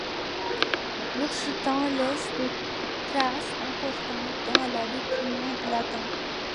L’occitan laisse des traces importantes dans les documents latins.